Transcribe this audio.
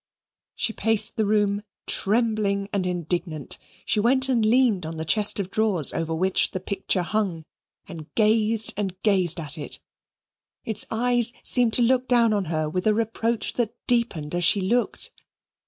She paced the room, trembling and indignant. She went and leaned on the chest of drawers over which the picture hung, and gazed and gazed at it. Its eyes seemed to look down on her with a reproach that deepened as she looked.